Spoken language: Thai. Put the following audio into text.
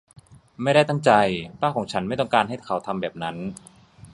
ไม่ได้ตั้งใจ ป้าของฉันไม่ต้องการให้เขาทำแบบนั้น